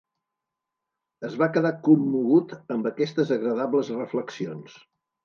Es va quedar commogut amb aquestes agradables reflexions.